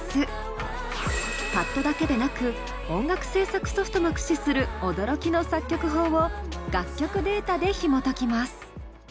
パッドだけでなく音楽制作ソフトも駆使する驚きの作曲法を楽曲データでひもときます。